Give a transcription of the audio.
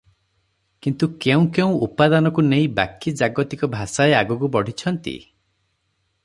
କିନ୍ତୁ କେଉଁ କେଉଁ ଉପାଦାନକୁ ନେଇ ବାକି ଜାଗତିକ ଭାଷାଏ ଆଗକୁ ବଢ଼ିଛନ୍ତି?